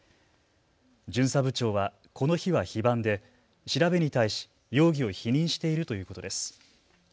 巡査部長はこの日は非番で調べに対し容疑を否認しているということです。